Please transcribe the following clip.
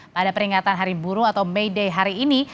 pada peringatan hari buru atau may day hari ini